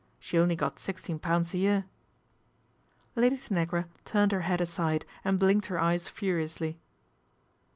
She only gqf sixteen pounds a year." Lady Tanagra turned her head aside ac | blinked her eyes furiously.